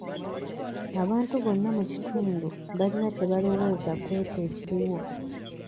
Abantu bonna mu kitundu balina kye balowooza kw'ekyo ekiriwo.